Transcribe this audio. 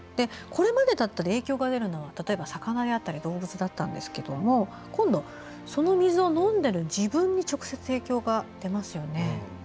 これまでだったら影響が出るのは例えば魚であったり動物だったんですけど今度、その水を飲んでいる自分に直接、影響が出ますよね。